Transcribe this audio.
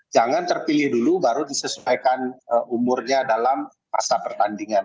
jangan terpilih dulu baru disesuaikan umurnya dalam masa pertandingan